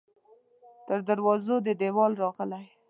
تر دروازو دې دیوال راغلی